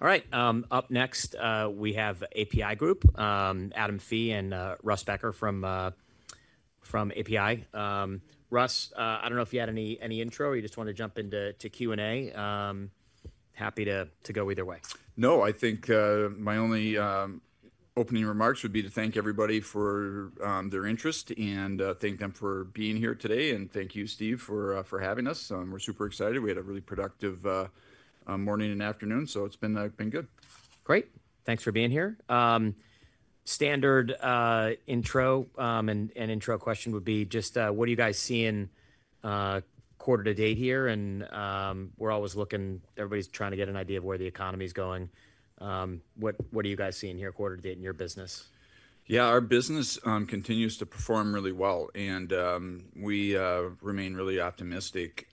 All right. Up next, we have APi Group, Adam Fee and Russ Becker from APi. Russ, I don't know if you had any intro or you just wanted to jump into Q&A. Happy to go either way. No, I think my only opening remarks would be to thank everybody for their interest and thank them for being here today. And thank you, Steve, for having us. We're super excited. We had a really productive morning and afternoon, so it's been good. Great. Thanks for being here. A standard intro and intro question would be just, what are you guys seeing quarter to date here? We're always looking. Everybody's trying to get an idea of where the economy's going. What are you guys seeing here quarter to date in your business? Yeah, our business continues to perform really well. And we remain really optimistic,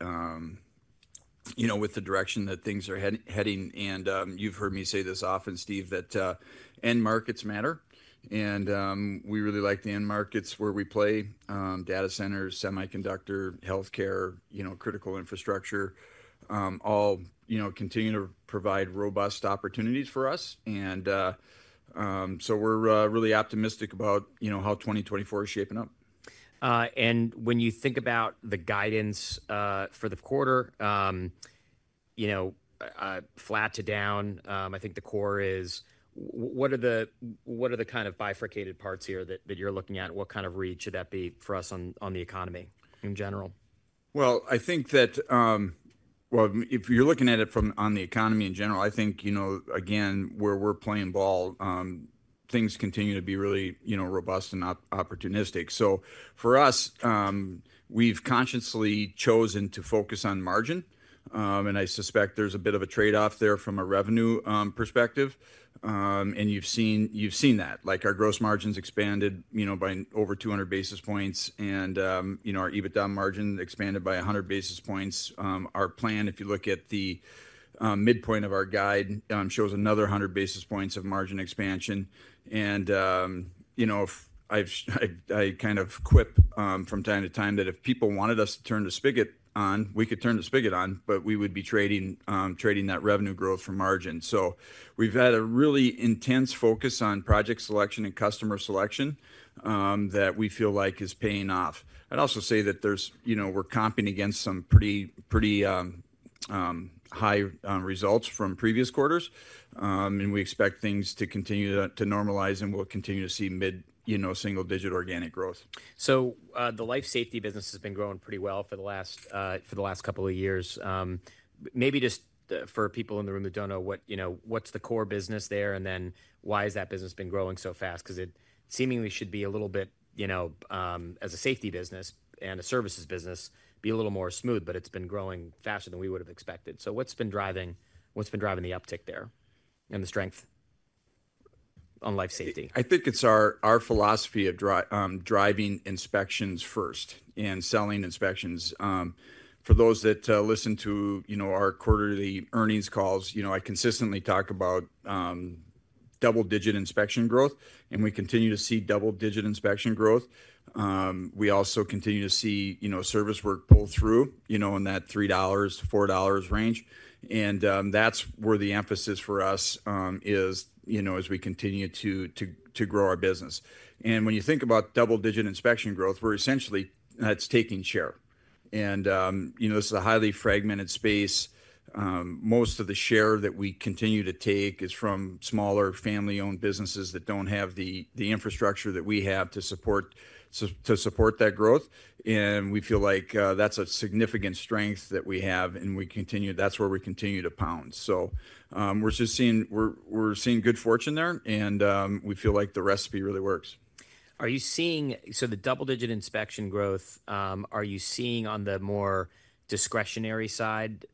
you know, with the direction that things are heading. And you've heard me say this often, Steve, that end markets matter. And we really like the end markets where we play. Data centers, semiconductor, healthcare, you know, critical infrastructure, all you know, continue to provide robust opportunities for us. And so we're really optimistic about, you know, how 2024 is shaping up. When you think about the guidance for the quarter, you know, flat to down, I think the core is what are the kind of bifurcated parts here that you're looking at? What kind of reach should that be for us on the economy in general? Well, I think that, well, if you're looking at it from the economy in general, I think, you know, again, where we're playing ball, things continue to be really, you know, robust and opportunistic. So for us, we've consciously chosen to focus on margin. And I suspect there's a bit of a trade-off there from a revenue perspective. And you've seen that. Like, our gross margins expanded, you know, by over 200 basis points. And, you know, our EBITDA margin expanded by 100 basis points. Our plan, if you look at the midpoint of our guide, shows another 100 basis points of margin expansion. And, you know, if I've kind of quip, from time to time that if people wanted us to turn the spigot on, we could turn the spigot on, but we would be trading that revenue growth for margin. So we've had a really intense focus on project selection and customer selection, that we feel like is paying off. I'd also say that there's, you know, we're comping against some pretty high results from previous quarters. We expect things to continue to normalize, and we'll continue to see mid, you know, single-digit organic growth. So, the life safety business has been growing pretty well for the last couple of years. Maybe just, for people in the room that don't know what, you know, what's the core business there, and then why has that business been growing so fast? 'Cause it seemingly should be a little bit, you know, as a safety business and a services business, be a little more smooth, but it's been growing faster than we would have expected. So what's been driving the uptick there and the strength on life safety? I think it's our philosophy of driving inspections first and selling inspections. For those that listen to, you know, our quarterly earnings calls, you know, I consistently talk about double-digit inspection growth, and we continue to see double-digit inspection growth. We also continue to see, you know, service work pull through, you know, in that $3-$4 range. And that's where the emphasis for us is, you know, as we continue to grow our business. And when you think about double-digit inspection growth, we're essentially that's taking share. And you know, this is a highly fragmented space. Most of the share that we continue to take is from smaller family-owned businesses that don't have the infrastructure that we have to support that growth. We feel like that's a significant strength that we have, and we continue. That's where we continue to pound. So, we're just seeing good fortune there, and we feel like the recipe really works. Are you seeing so the double-digit inspection growth, are you seeing on the more discretionary side,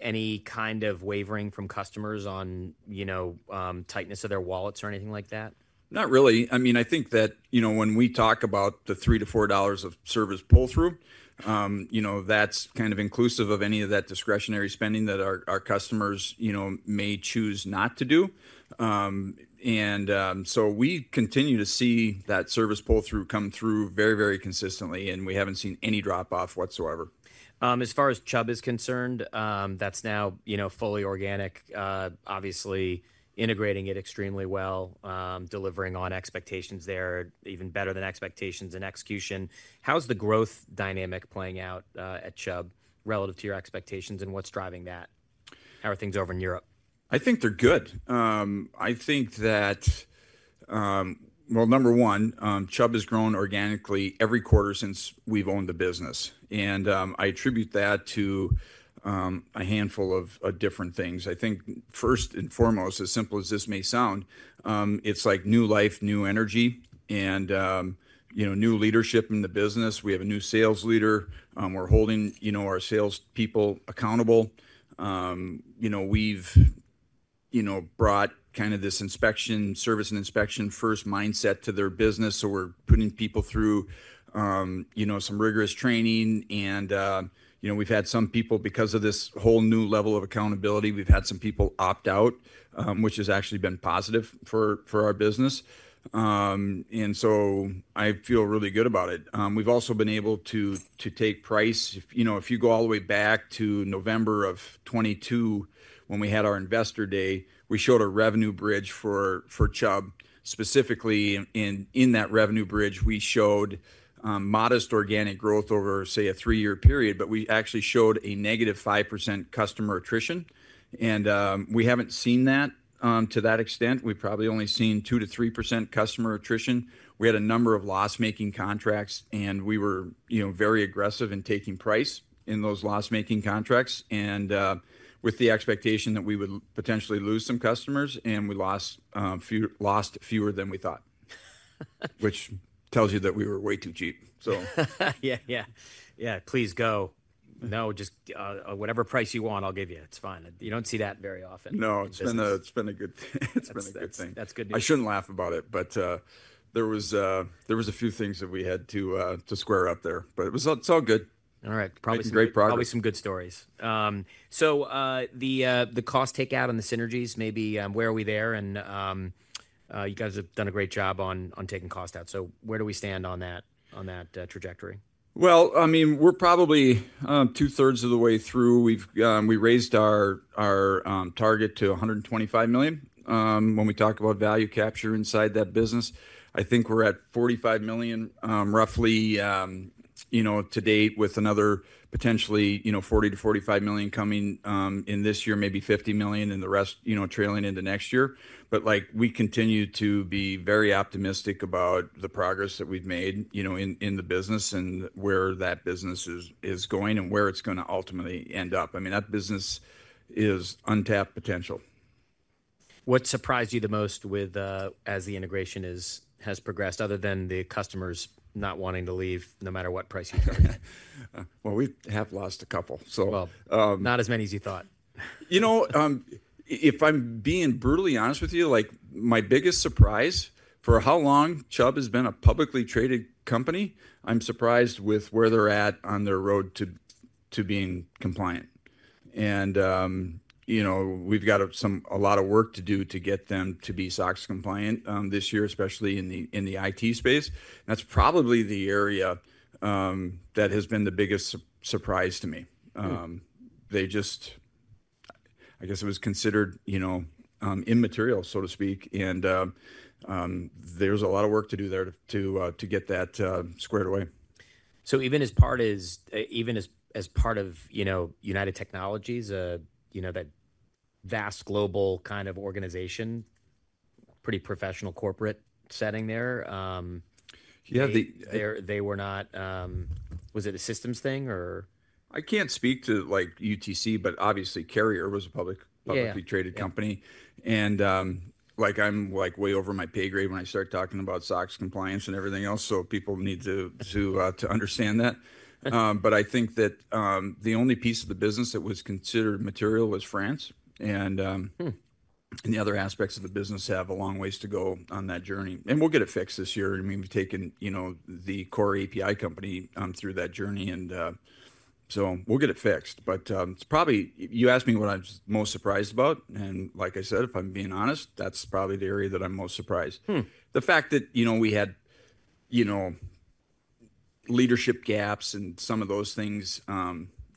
any kind of wavering from customers on, you know, tightness of their wallets or anything like that? Not really. I mean, I think that, you know, when we talk about the $3-$4 of service pull through, you know, that's kind of inclusive of any of that discretionary spending that our, our customers, you know, may choose not to do. So we continue to see that service pull through come through very, very consistently, and we haven't seen any drop-off whatsoever. As far as Chubb is concerned, that's now, you know, fully organic, obviously integrating it extremely well, delivering on expectations there, even better than expectations in execution. How's the growth dynamic playing out, at Chubb relative to your expectations, and what's driving that? How are things over in Europe? I think they're good. I think that, well, number one, Chubb has grown organically every quarter since we've owned the business. And, I attribute that to, a handful of, of different things. I think first and foremost, as simple as this may sound, it's like new life, new energy, and, you know, new leadership in the business. We have a new sales leader. We're holding, you know, our salespeople accountable. You know, we've, you know, brought kind of this inspection service and inspection-first mindset to their business. So we're putting people through, you know, some rigorous training. And, you know, we've had some people because of this whole new level of accountability, we've had some people opt out, which has actually been positive for, for our business. And so I feel really good about it. We've also been able to, to take price. You know, if you go all the way back to November of 2022 when we had our Investor Day, we showed a revenue bridge for Chubb. Specifically, in that revenue bridge, we showed modest organic growth over, say, a three-year period, but we actually showed a -5% customer attrition. And we haven't seen that to that extent. We've probably only seen 2%-3% customer attrition. We had a number of loss-making contracts, and we were, you know, very aggressive in taking price in those loss-making contracts and, with the expectation that we would potentially lose some customers. And we lost fewer than we thought, which tells you that we were way too cheap, so. Yeah, yeah, yeah. Please go. No, just, whatever price you want, I'll give you. It's fine. You don't see that very often. No, it's been a good thing. That's good news. I shouldn't laugh about it, but there was a few things that we had to square up there, but it was all, it's all good. All right. Probably some great product. Making great product. Probably some good stories. So, the cost takeout and the synergies, maybe, where are we there? And, you guys have done a great job on taking cost out. So where do we stand on that trajectory? Well, I mean, we're probably two-thirds of the way through. We've raised our target to $125 million. When we talk about value capture inside that business, I think we're at $45 million, roughly, you know, to date with another potentially, you know, $40 million-$45 million coming in this year, maybe $50 million and the rest, you know, trailing into next year. But, like, we continue to be very optimistic about the progress that we've made, you know, in the business and where that business is going and where it's going to ultimately end up. I mean, that business is untapped potential. What surprised you the most with, as the integration has progressed, other than the customers not wanting to leave no matter what price you charge? Well, we have lost a couple, so. Well, not as many as you thought. You know, if I'm being brutally honest with you, like, my biggest surprise for how long Chubb has been a publicly traded company, I'm surprised with where they're at on their road to being compliant. And, you know, we've got a lot of work to do to get them to be SOX compliant this year, especially in the IT space. That's probably the area that has been the biggest surprise to me. They just, I guess it was considered, you know, immaterial, so to speak. And, there's a lot of work to do there to get that squared away. So even as part of, you know, United Technologies, you know, that vast global kind of organization, pretty professional corporate setting there, they. Yeah, the. They were not, was it a systems thing or? I can't speak to, like, UTC, but obviously, Carrier was a public. Yeah. Publicly traded company. And, like, I'm, like, way over my pay grade when I start talking about SOX compliance and everything else, so people need to understand that. But I think that the only piece of the business that was considered material was France. And the other aspects of the business have a long ways to go on that journey. And we'll get it fixed this year. I mean, we've taken, you know, the core APi company, through that journey. And so we'll get it fixed. But it's probably you asked me what I'm most surprised about. And like I said, if I'm being honest, that's probably the area that I'm most surprised. The fact that, you know, we had, you know, leadership gaps and some of those things,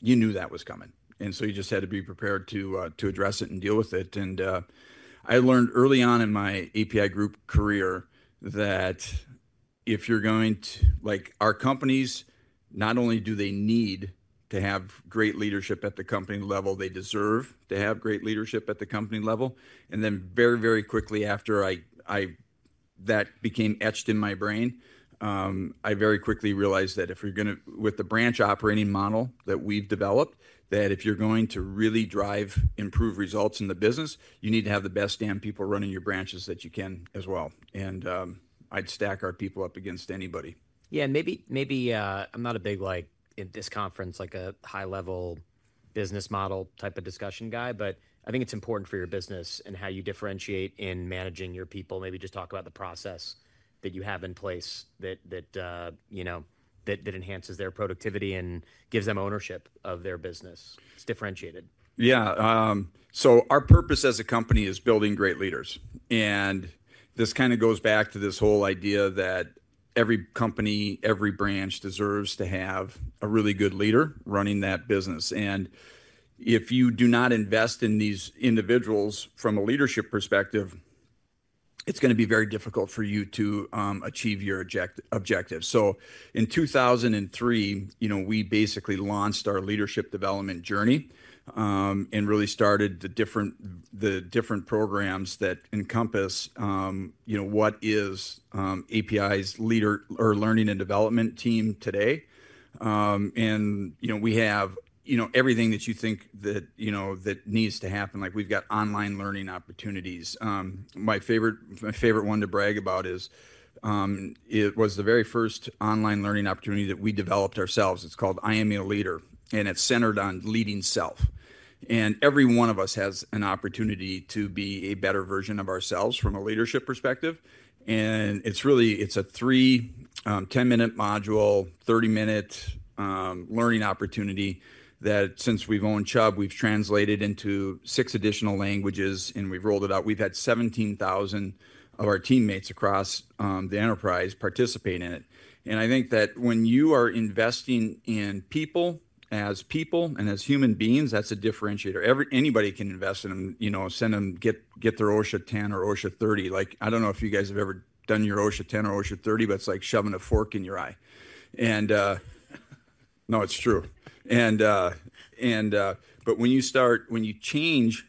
you knew that was coming. And so you just had to be prepared to address it and deal with it. And, I learned early on in my APi Group career that if you're going to like, our companies, not only do they need to have great leadership at the company level, they deserve to have great leadership at the company level. And then very, very quickly after that became etched in my brain, I very quickly realized that if you're going to with the branch operating model that we've developed, that if you're going to really drive improved results in the business, you need to have the best damn people running your branches that you can as well. And, I'd stack our people up against anybody. Yeah. And maybe I'm not a big, like, in this conference, like, a high-level business model type of discussion guy, but I think it's important for your business and how you differentiate in managing your people. Maybe just talk about the process that you have in place that, you know, enhances their productivity and gives them ownership of their business. It's differentiated. Yeah. So our purpose as a company is building great leaders. And this kind of goes back to this whole idea that every company, every branch deserves to have a really good leader running that business. And if you do not invest in these individuals from a leadership perspective, it's going to be very difficult for you to achieve your objective. So in 2003, you know, we basically launched our leadership development journey, and really started the different programs that encompass, you know, what is APi's leadership and learning and development team today. And, you know, we have, you know, everything that you think that, you know, that needs to happen. Like, we've got online learning opportunities. My favorite one to brag about is, it was the very first online learning opportunity that we developed ourselves. It's called I Am a Leader. It's centered on leading self. Every one of us has an opportunity to be a better version of ourselves from a leadership perspective. It's really a 3, 10-minute module, 30-minute learning opportunity that since we've owned Chubb, we've translated into 6 additional languages, and we've rolled it out. We've had 17,000 of our teammates across the enterprise participate in it. I think that when you are investing in people as people and as human beings, that's a differentiator. Everybody can invest in them, you know, send them get their OSHA 10 or OSHA 30. Like, I don't know if you guys have ever done your OSHA 10 or OSHA 30, but it's like shoving a fork in your eye. No, it's true. But when you change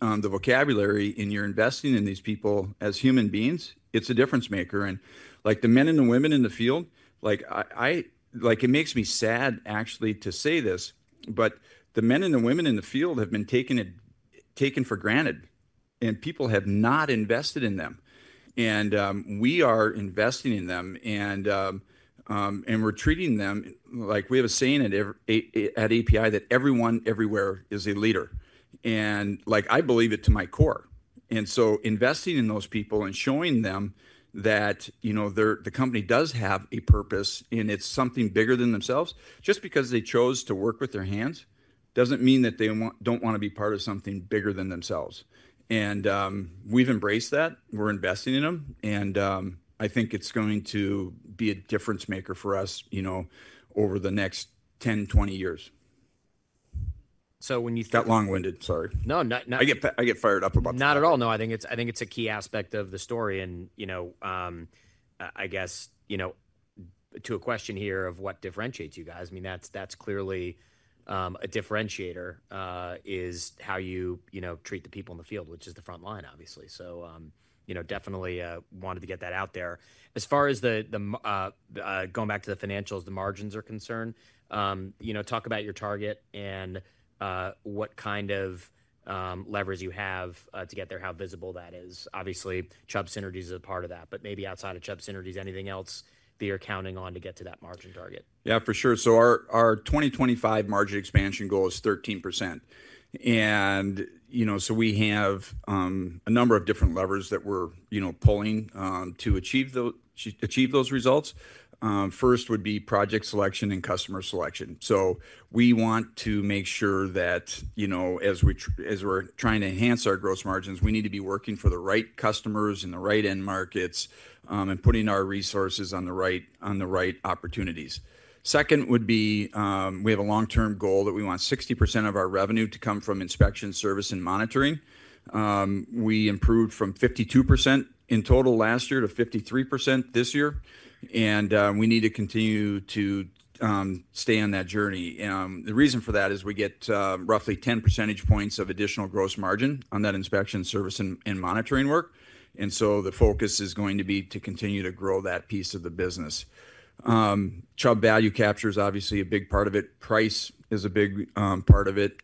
the vocabulary you're investing in these people as human beings, it's a difference maker. And, like, the men and the women in the field, like, it makes me sad, actually, to say this, but the men and the women in the field have been taken for granted, and people have not invested in them. And, we are investing in them, and, and we're treating them like, we have a saying at APi that everyone everywhere is a leader. And, like, I believe it to my core. So investing in those people and showing them that, you know, that the company does have a purpose, and it's something bigger than themselves, just because they chose to work with their hands doesn't mean that they don't want to be part of something bigger than themselves. We've embraced that. We're investing in them. I think it's going to be a difference maker for us, you know, over the next 10, 20 years. So when you think. Got long-winded. Sorry. No, not, not. I get I get fired up about that. Not at all. No, I think it's a key aspect of the story. And, you know, I guess, you know, to a question here of what differentiates you guys, I mean, that's clearly a differentiator, is how you, you know, treat the people in the field, which is the front line, obviously. So, you know, definitely wanted to get that out there. As far as the going back to the financials, the margins are concerned, you know, talk about your target and what kind of leverage you have to get there, how visible that is. Obviously, Chubb synergies is a part of that, but maybe outside of Chubb synergies, anything else that you're counting on to get to that margin target? Yeah, for sure. So our 2025 margin expansion goal is 13%. And, you know, so we have a number of different levers that we're, you know, pulling to achieve those results. First would be project selection and customer selection. So we want to make sure that, you know, as we're trying to enhance our gross margins, we need to be working for the right customers in the right end markets, and putting our resources on the right opportunities. Second would be, we have a long-term goal that we want 60% of our revenue to come from inspection, service, and monitoring. We improved from 52% in total last year to 53% this year. And we need to continue to stay on that journey. The reason for that is we get, roughly 10 percentage points of additional gross margin on that inspection, service, and monitoring work. And so the focus is going to be to continue to grow that piece of the business. Chubb Value Capture is obviously a big part of it. Price is a big part of it.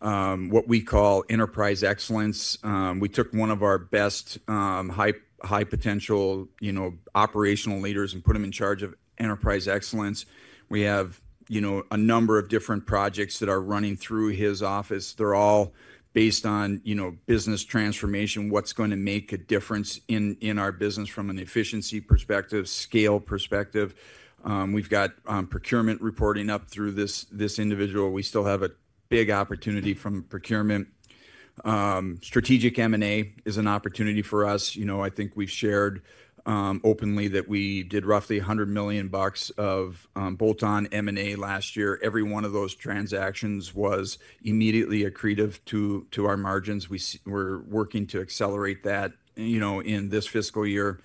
What we call Enterprise Excellence. We took one of our best, high potential, you know, operational leaders and put him in charge of Enterprise Excellence. We have, you know, a number of different projects that are running through his office. They're all based on, you know, business transformation, what's going to make a difference in our business from an efficiency perspective, scale perspective. We've got, procurement reporting up through this individual. We still have a big opportunity from procurement. Strategic M&A is an opportunity for us. You know, I think we've shared openly that we did roughly $100 million of bolt-on M&A last year. Every one of those transactions was immediately accretive to our margins. We're working to accelerate that, you know, in this fiscal year.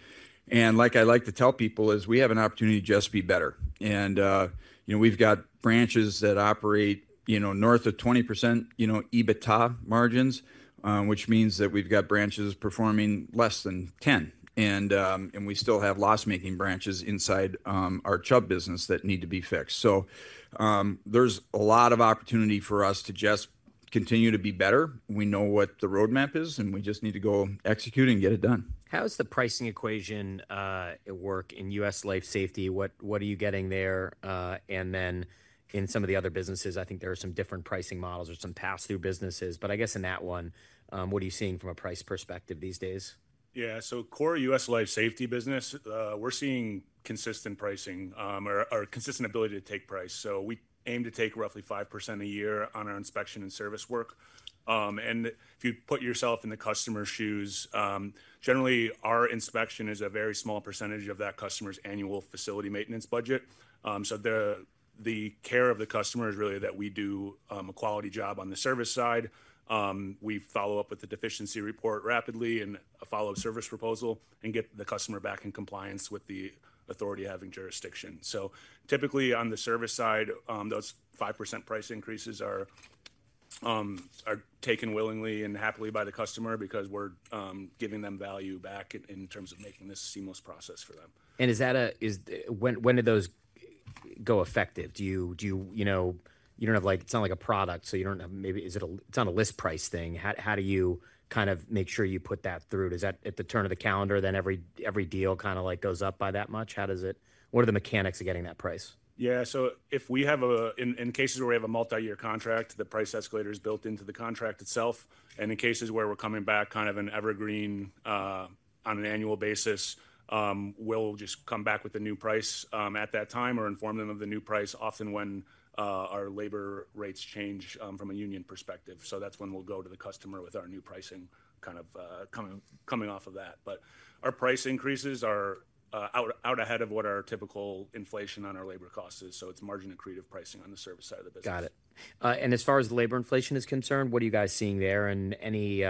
And like I like to tell people is we have an opportunity to just be better. And, you know, we've got branches that operate, you know, north of 20% EBITDA margins, which means that we've got branches performing less than 10%. And we still have loss-making branches inside our Chubb business that need to be fixed. So, there's a lot of opportunity for us to just continue to be better. We know what the roadmap is, and we just need to go execute and get it done. How is the pricing equation at work in U.S. Life Safety? What are you getting there? And then in some of the other businesses, I think there are some different pricing models or some pass-through businesses. But I guess in that one, what are you seeing from a price perspective these days? Yeah. So core U.S. Life Safety business, we're seeing consistent pricing, or consistent ability to take price. So we aim to take roughly 5% a year on our inspection and service work. And if you put yourself in the customer's shoes, generally, our inspection is a very small percentage of that customer's annual facility maintenance budget. So the care of the customer is really that we do a quality job on the service side. We follow up with the deficiency report rapidly and a follow-up service proposal and get the customer back in compliance with the Authority Having Jurisdiction. So typically, on the service side, those 5% price increases are taken willingly and happily by the customer because we're giving them value back in terms of making this seamless process for them. And is that when do those go effective? Do you, you know, you don't have like, it's not like a product, so you don't have, it's not a list price thing. How do you kind of make sure you put that through? Does that at the turn of the calendar, then every deal kind of like goes up by that much? How does it, what are the mechanics of getting that price? Yeah. So if we have in cases where we have a multi-year contract, the price escalator is built into the contract itself. And in cases where we're coming back kind of an evergreen, on an annual basis, we'll just come back with a new price, at that time or inform them of the new price often when, our labor rates change, from a union perspective. So that's when we'll go to the customer with our new pricing kind of, coming off of that. But our price increases are, out ahead of what our typical inflation on our labor cost is. So it's margin-accretive pricing on the service side of the business. Got it. As far as labor inflation is concerned, what are you guys seeing there? Any,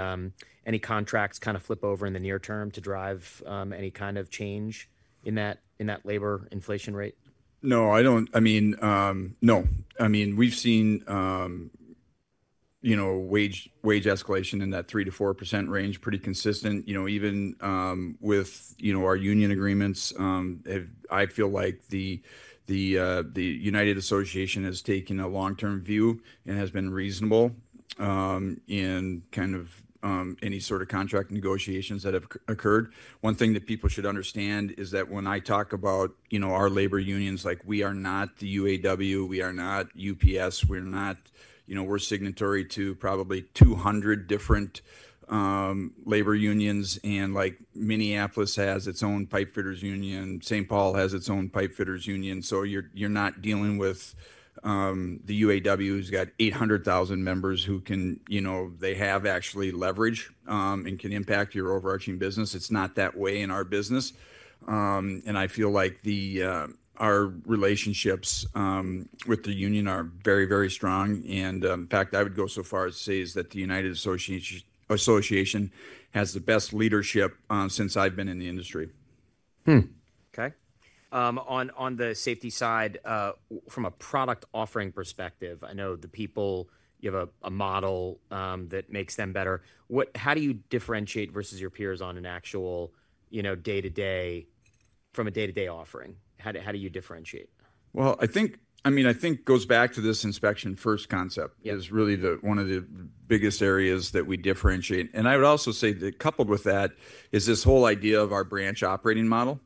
any contracts kind of flip over in the near term to drive any kind of change in that labor inflation rate? No, I don't. I mean, no. I mean, we've seen, you know, wage escalation in that 3%-4% range pretty consistent. You know, even with, you know, our union agreements, I feel like the United Association has taken a long-term view and has been reasonable, in kind of any sort of contract negotiations that have occurred. One thing that people should understand is that when I talk about, you know, our labor unions, like, we are not the UAW. We are not UPS. We're not, you know, we're signatory to probably 200 different labor unions. Like, Minneapolis has its own pipefitter's union. St. Paul has its own pipe fitter's union. So you're not dealing with the UAW who's got 800,000 members who can, you know, they have actually leverage and can impact your overarching business. It's not that way in our business. And I feel like our relationships with the union are very, very strong. And, in fact, I would go so far as to say is that the United Association has the best leadership since I've been in the industry. Okay. On the safety side, from a product offering perspective, I know the people you have a model that makes them better. What, how do you differentiate versus your peers on an actual, you know, day-to-day from a day-to-day offering? How do you differentiate? Well, I think I mean, I think goes back to this inspection-first concept is really the one of the biggest areas that we differentiate. And I would also say that coupled with that is this whole idea of our branch operating model.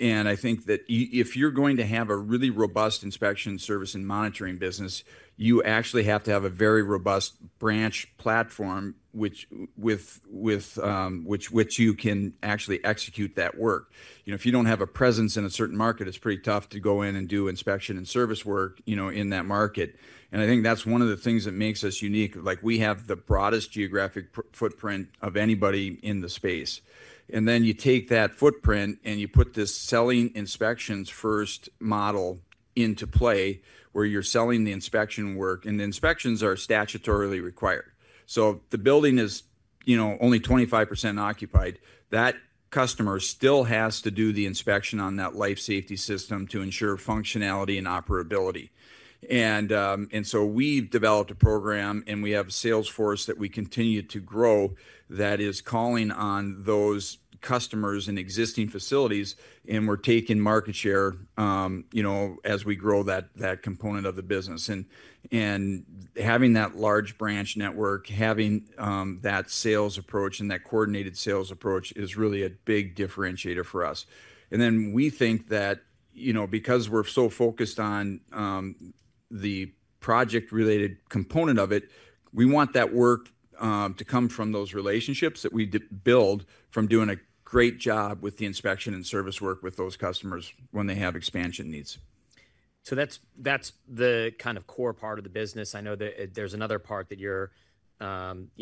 And I think that if you're going to have a really robust inspection, service, and monitoring business, you actually have to have a very robust branch platform, which you can actually execute that work. You know, if you don't have a presence in a certain market, it's pretty tough to go in and do inspection and service work, you know, in that market. And I think that's one of the things that makes us unique. Like, we have the broadest geographic footprint of anybody in the space. And then you take that footprint and you put this selling inspections-first model into play where you're selling the inspection work, and the inspections are statutorily required. So if the building is, you know, only 25% occupied, that customer still has to do the inspection on that life safety system to ensure functionality and operability. And so we've developed a program, and we have a sales force that we continue to grow that is calling on those customers in existing facilities, and we're taking market share, you know, as we grow that component of the business. And having that large branch network, having that sales approach and that coordinated sales approach is really a big differentiator for us. And then we think that, you know, because we're so focused on the project-related component of it, we want that work to come from those relationships that we build from doing a great job with the inspection and service work with those customers when they have expansion needs. So that's the kind of core part of the business. I know that there's another part that you're, you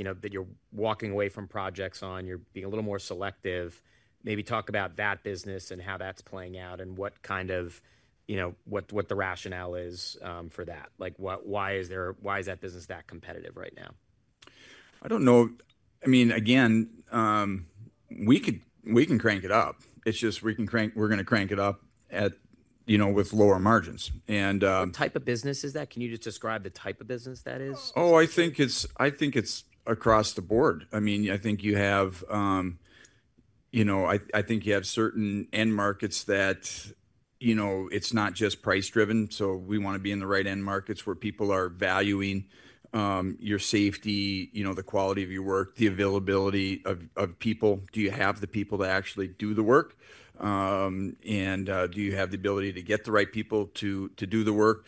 know, that you're walking away from projects on. You're being a little more selective. Maybe talk about that business and how that's playing out and what kind of you know, what the rationale is for that. Like, why is that business that competitive right now? I don't know. I mean, again, we can crank it up. It's just we're going to crank it up at, you know, with lower margins. And, What type of business is that? Can you just describe the type of business that is? Oh, I think it's across the board. I mean, I think you have, you know, certain end markets that, you know, it's not just price-driven. So we want to be in the right end markets where people are valuing your safety, you know, the quality of your work, the availability of people. Do you have the people to actually do the work? And do you have the ability to get the right people to do the work?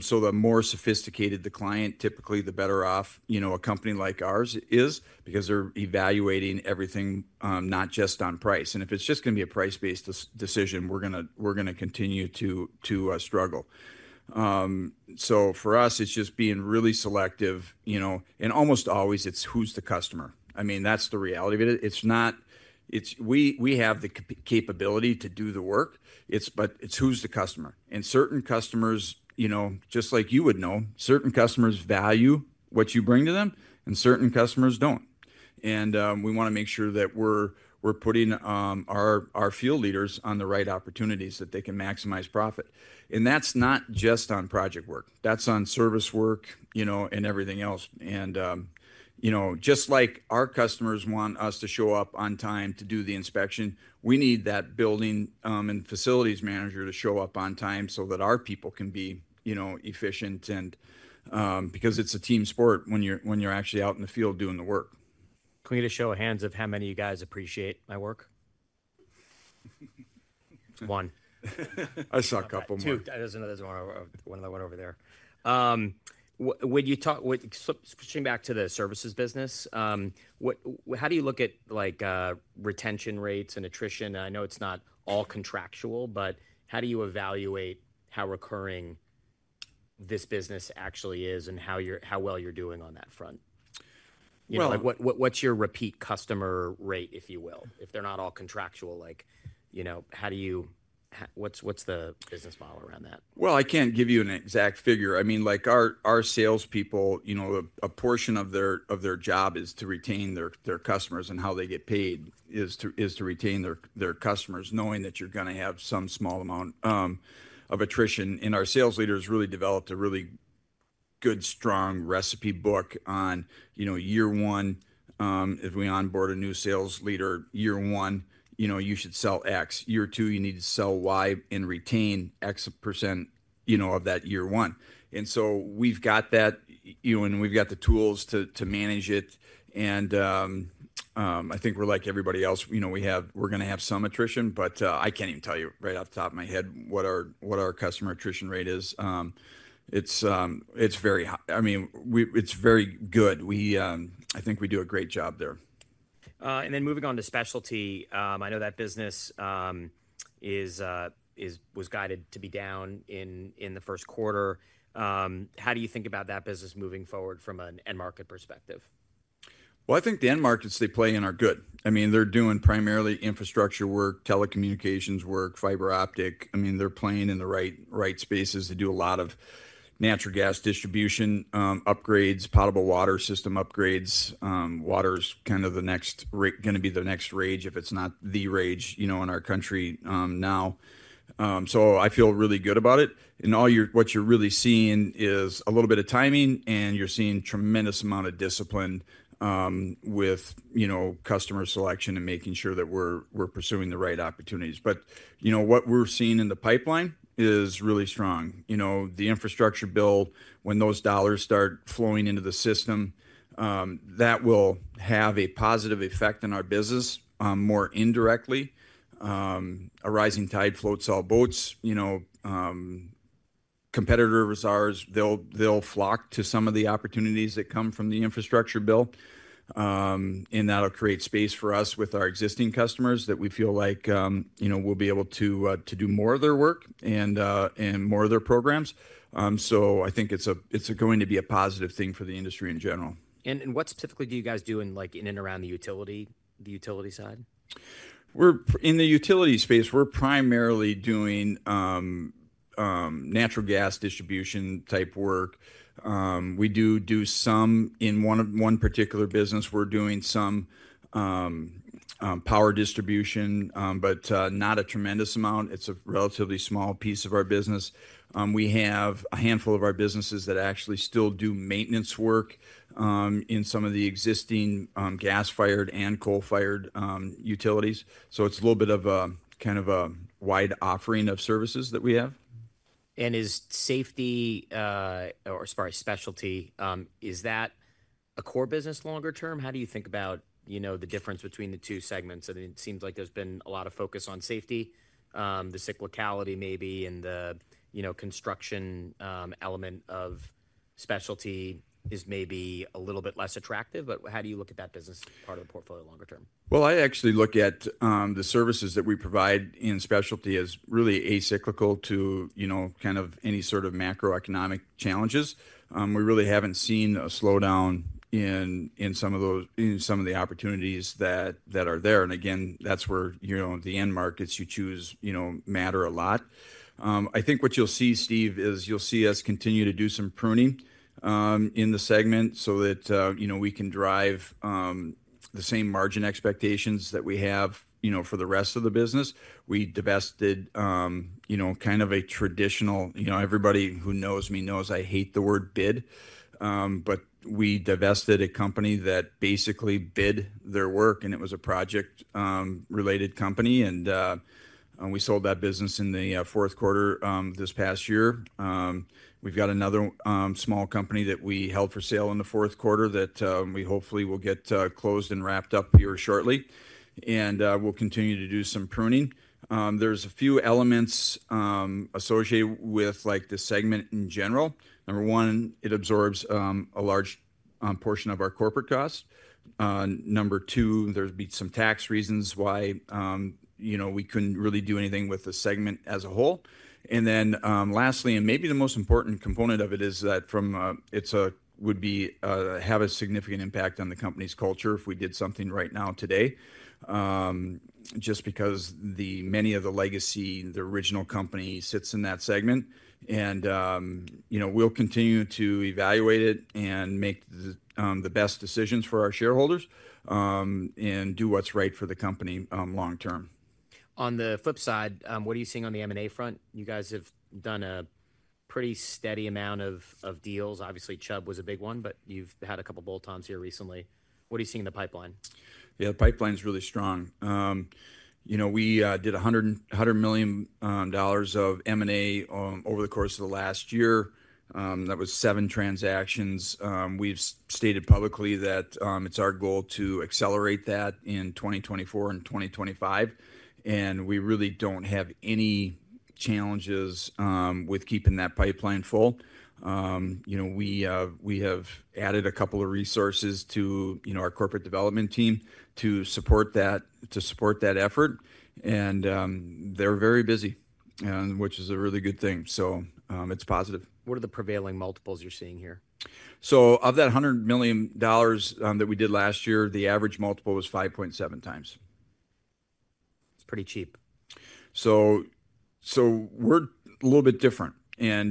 So the more sophisticated the client, typically the better off a company like ours is because they're evaluating everything, not just on price. And if it's just going to be a price-based decision, we're going to continue to struggle. So for us, it's just being really selective, you know, and almost always it's who's the customer. I mean, that's the reality of it. It's not we have the capability to do the work. It's but who's the customer. And certain customers, you know, just like you would know, certain customers value what you bring to them, and certain customers don't. And, we want to make sure that we're putting our field leaders on the right opportunities that they can maximize profit. And that's not just on project work. That's on service work, you know, and everything else. And, you know, just like our customers want us to show up on time to do the inspection, we need that building and facilities manager to show up on time so that our people can be, you know, efficient. And, because it's a team sport when you're actually out in the field doing the work. Can we just show of hands of how many you guys appreciate my work? One. I saw a couple more. Two. There's another one over there. Would you talk, switching back to the services business, how do you look at, like, retention rates and attrition? I know it's not all contractual, but how do you evaluate how recurring this business actually is and how well you're doing on that front? You know, like, what's your repeat customer rate, if you will, if they're not all contractual? Like, you know, how do you what's the business model around that? Well, I can't give you an exact figure. I mean, like, our salespeople, you know, a portion of their job is to retain their customers and how they get paid is to retain their customers, knowing that you're going to have some small amount of attrition. And our sales leaders really developed a really good, strong recipe book on, you know, year one, if we onboard a new sales leader, year one, you know, you should sell X. Year two, you need to sell Y and retain X%, you know, of that year one. And so we've got that, you know, and we've got the tools to manage it. And, I think we're like everybody else. You know, we're going to have some attrition, but, I can't even tell you right off the top of my head what our customer attrition rate is. It's very high. I mean, it's very good. We, I think we do a great job there. And then moving on to specialty, I know that business was guided to be down in the first quarter. How do you think about that business moving forward from an end market perspective? Well, I think the end markets they play in are good. I mean, they're doing primarily infrastructure work, telecommunications work, fiber optic. I mean, they're playing in the right right spaces. They do a lot of natural gas distribution upgrades, potable water system upgrades. Water's kind of the next going to be the next rage if it's not the rage, you know, in our country now. So I feel really good about it. And what you're really seeing is a little bit of timing, and you're seeing a tremendous amount of discipline with, you know, customer selection and making sure that we're pursuing the right opportunities. But, you know, what we're seeing in the pipeline is really strong. You know, the infrastructure build, when those dollars start flowing into the system, that will have a positive effect on our business, more indirectly. A rising tide floats all boats. You know, competitors ours, they'll flock to some of the opportunities that come from the infrastructure bill. And that'll create space for us with our existing customers that we feel like, you know, we'll be able to do more of their work and more of their programs. So I think it's going to be a positive thing for the industry in general. What specifically do you guys do in, like, in and around the utility side? We're in the utility space, we're primarily doing natural gas distribution type work. We do some in one particular business, we're doing some power distribution, but not a tremendous amount. It's a relatively small piece of our business. We have a handful of our businesses that actually still do maintenance work in some of the existing gas-fired and coal-fired utilities. So it's a little bit of a kind of a wide offering of services that we have. Is safety, or as far as specialty, is that a core business longer term? How do you think about, you know, the difference between the two segments? I mean, it seems like there's been a lot of focus on safety, the cyclicality maybe, and the, you know, construction, element of specialty is maybe a little bit less attractive. How do you look at that business part of the portfolio longer term? Well, I actually look at the services that we provide in specialty as really acyclical to, you know, kind of any sort of macroeconomic challenges. We really haven't seen a slowdown in some of those in some of the opportunities that are there. And again, that's where, you know, the end markets you choose, you know, matter a lot. I think what you'll see, Steve, is you'll see us continue to do some pruning in the segment so that, you know, we can drive the same margin expectations that we have, you know, for the rest of the business. We divested, you know, kind of a traditional you know, everybody who knows me knows I hate the word bid. But we divested a company that basically bid their work, and it was a project-related company. And we sold that business in the fourth quarter this past year. We've got another small company that we held for sale in the fourth quarter that we hopefully will get closed and wrapped up here shortly. We'll continue to do some pruning. There's a few elements associated with, like, the segment in general. Number one, it absorbs a large portion of our corporate cost. Number two, there'd be some tax reasons why, you know, we couldn't really do anything with the segment as a whole. And then, lastly, and maybe the most important component of it is that from, it's a would be have a significant impact on the company's culture if we did something right now today, just because the many of the legacy, the original company sits in that segment. You know, we'll continue to evaluate it and make the best decisions for our shareholders, and do what's right for the company, long term. On the flip side, what are you seeing on the M&A front? You guys have done a pretty steady amount of deals. Obviously, Chubb was a big one, but you've had a couple bolt-ons here recently. What are you seeing in the pipeline? Yeah, the pipeline's really strong. You know, we did $100 million of M&A over the course of the last year. That was 7 transactions. We've stated publicly that it's our goal to accelerate that in 2024 and 2025. We really don't have any challenges with keeping that pipeline full. You know, we have added a couple of resources to you know, our corporate development team to support that effort. They're very busy, which is a really good thing. It's positive. What are the prevailing multiples you're seeing here? So of that $100 million that we did last year, the average multiple was 5.7x. It's pretty cheap. So, we're a little bit different. You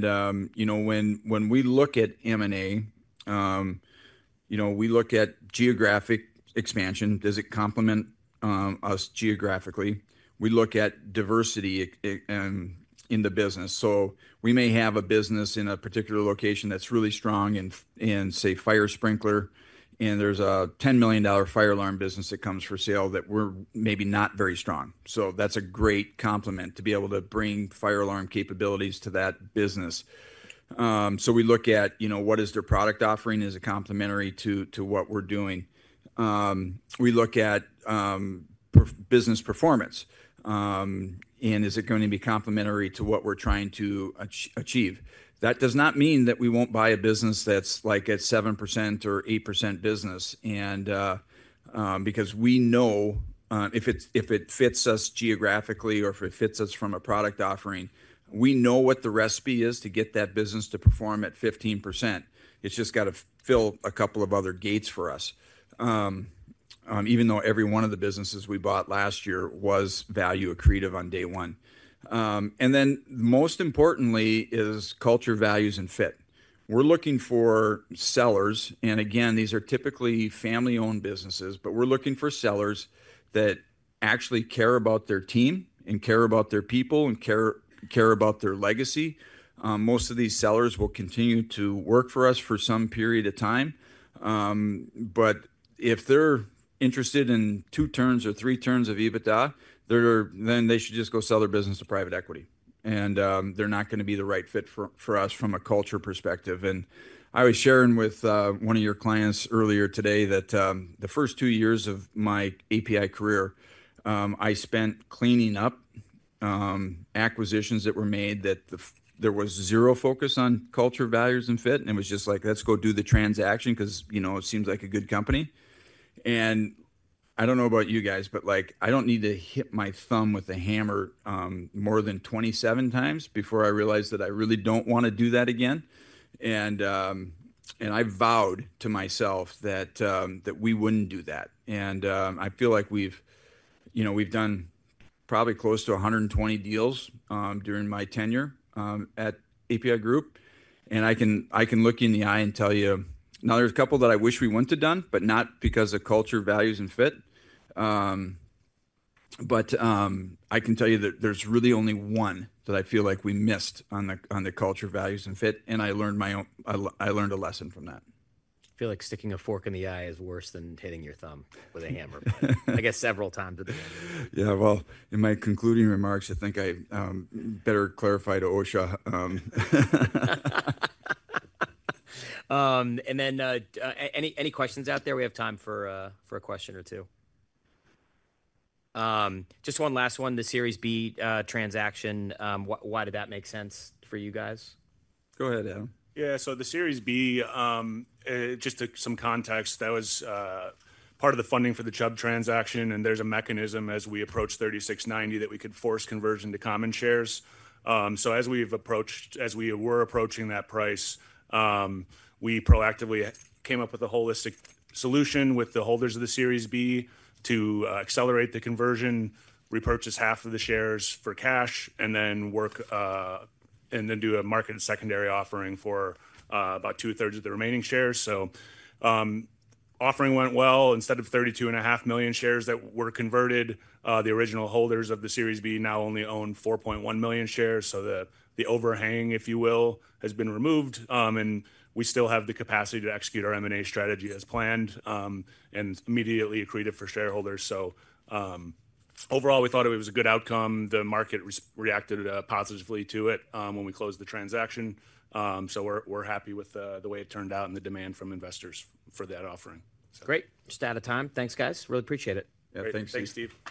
know, when we look at M&A, you know, we look at geographic expansion. Does it complement us geographically? We look at diversity in the business. So we may have a business in a particular location that's really strong in, say, fire sprinkler, and there's a $10 million fire alarm business that comes for sale that we're maybe not very strong. So that's a great complement to be able to bring fire alarm capabilities to that business. So we look at, you know, what is their product offering? Is it complementary to what we're doing? We look at business performance, and is it going to be complementary to what we're trying to achieve? That does not mean that we won't buy a business that's, like, at 7% or 8% business. Because we know, if it fits us geographically or if it fits us from a product offering, we know what the recipe is to get that business to perform at 15%. It's just got to fill a couple of other gates for us, even though every one of the businesses we bought last year was value accretive on day one. And then, most importantly, is culture, values, and fit. We're looking for sellers. And again, these are typically family-owned businesses, but we're looking for sellers that actually care about their team and care about their people and care about their legacy. Most of these sellers will continue to work for us for some period of time. But if they're interested in 2x or 3x EBITDA, they should just go sell their business to private equity. They're not going to be the right fit for us from a culture perspective. I was sharing with one of your clients earlier today that the first two years of my APi career, I spent cleaning up acquisitions that were made that there was zero focus on culture, values, and fit. It was just like, let's go do the transaction because, you know, it seems like a good company. I don't know about you guys, but like, I don't need to hit my thumb with a hammer more than 27 times before I realize that I really don't want to do that again. I vowed to myself that we wouldn't do that. I feel like we've, you know, we've done probably close to 120 deals during my tenure at APi Group. And I can look you in the eye and tell you now, there's a couple that I wish we weren't have done, but not because of culture, values, and fit. But I can tell you that there's really only one that I feel like we missed on the culture, values, and fit. And I learned a lesson from that. I feel like sticking a fork in the eye is worse than hitting your thumb with a hammer, I guess, several times at the end. Yeah, well, in my concluding remarks, I think I better clarify to OSHA. And then, any questions out there? We have time for a question or two. Just one last one, the Series B transaction. Why did that make sense for you guys? Go ahead, Adam. Yeah, so the Series B, just to some context, that was part of the funding for the Chubb transaction. And there's a mechanism as we approach $36.90 that we could force conversion to common shares. So as we were approaching that price, we proactively came up with a holistic solution with the holders of the Series B to accelerate the conversion, repurchase half of the shares for cash, and then do a market secondary offering for about two-thirds of the remaining shares. So the offering went well. Instead of 32.5 million shares that were converted, the original holders of the Series B now only own 4.1 million shares. So the overhang, if you will, has been removed. And we still have the capacity to execute our M&A strategy as planned, and immediately accretive for shareholders. So overall, we thought it was a good outcome. The market reacted positively to it when we closed the transaction. So we're happy with the way it turned out and the demand from investors for that offering. Great. Just out of time. Thanks, guys. Really appreciate it. Yeah, thanks, Steve. Thanks, Steve.